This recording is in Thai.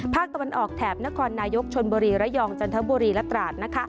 ตะวันออกแถบนครนายกชนบุรีระยองจันทบุรีและตราด